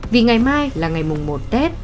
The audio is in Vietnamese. vì ngày mai là ngày mùng một tết